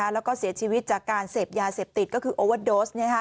แล้วก็เสียชีวิตจากการเสพยาเสพติดก็คือโอวาโดส